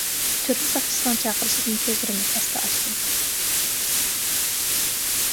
تۈرمە ساقچىسىنىڭ چاقىرىشىدىن كۆزلىرىمنى تەستە ئاچتىم.